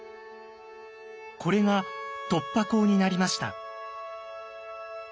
これが突破口になりました。